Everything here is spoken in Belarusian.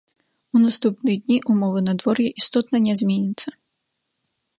У наступныя дні ўмовы надвор'я істотна не зменяцца.